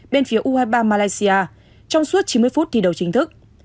bên phía u hai mươi ba malaysia trong suốt chín mươi phút thi đấu chính thức